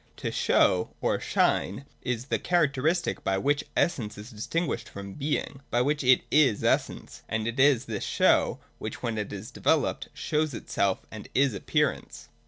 To show or shine is the characteristic by which essence is distinguished from being, — by which it is essence ; and it is this show which, when it is developed, shows itself, and is Appearance.